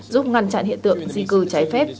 giúp ngăn chặn hiện tượng di cư trái phép